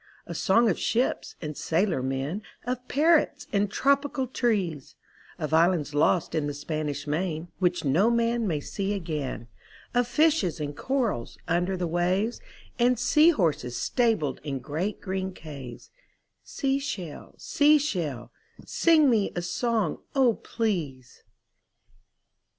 A song of ships and sailor men Of parrots and tropical trees; Of islands lost in the Spanish Main Which no man may see again, Of fishes and corals under the waves, And sea horses stabled in great green caves — Sea Shell, Sea Shell, Sing me a song, O please.